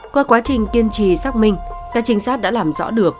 qua quá trình kiên trì xác minh các trinh sát đã làm rõ được